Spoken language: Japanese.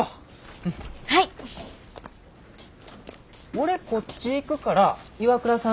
俺こっち行くから岩倉さん